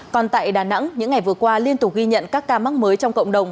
còn tại đà nẵng những ngày vừa qua liên tục ghi nhận các ca mắc mới trong cộng đồng